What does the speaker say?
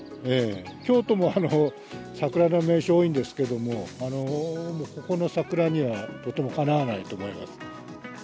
京都も桜の名所、多いんですけども、ここの桜にはとてもかなわないと思います。